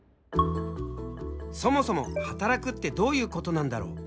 そもそも働くってどういうことなんだろう？